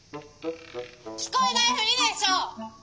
「聞こえないふりでしょ！」。